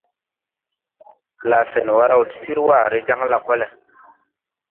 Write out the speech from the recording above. Laasenwa raw ti sir waaré jaŋ lakol.